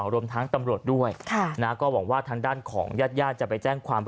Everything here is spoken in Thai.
รวมทั้งตำรวจด้วยก็หวังว่าทางด้านของญาติญาติจะไปแจ้งความ